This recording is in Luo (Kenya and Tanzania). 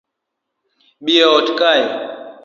Bi eot kae